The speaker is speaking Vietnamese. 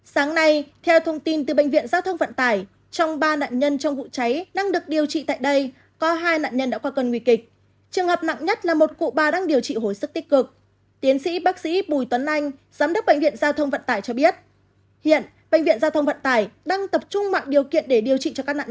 sáng nay theo thông tin từ bệnh viện giao thông vận tải trong ba nạn nhân trong vụ cháy đang được điều trị tại đây có hai nạn nhân đã qua cơn nguy kịch